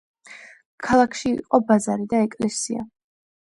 ქალაქში იყო ბაზარი და ეკლესია.